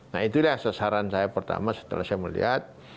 nah itulah sasaran saya pertama setelah saya melihat